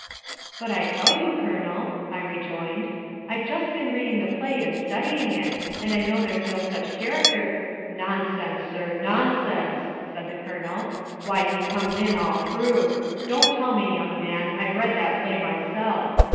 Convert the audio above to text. "But I tell you, Colonel," I rejoined, "I've just been reading the play and studying it, and I know there's no such character " "Nonsense, sir, nonsense!" said the Colonel, "why he comes in all through; don't tell me, young man, I've read that play myself.